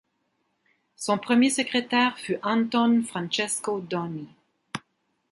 Son premier secrétaire fut Anton Francesco Doni.